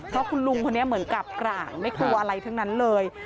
เพราะคุณลุงคนนี้เหมือนกับกร่างไม่กลัวอะไรทั้งนั้นเลย